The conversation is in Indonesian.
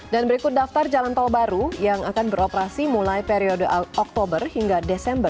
dan berikut daftar jalan tol baru yang akan beroperasi mulai periode oktober hingga desember dua ribu delapan belas